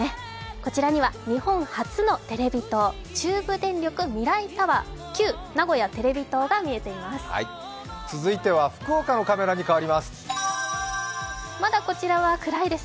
こちらには日本初のテレビ塔、中部電力ＭＩＲＡＩＴＯＷＥＲ旧名古屋テレビ塔が見えています。